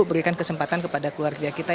berikan kesempatan kepada keluarga kita